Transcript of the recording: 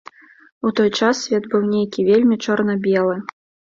У той час свет быў нейкі вельмі чорна-белы.